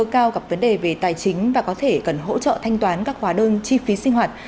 cao gặp vấn đề về tài chính và có thể cần hỗ trợ thanh toán các hóa đơn chi phí sinh hoạt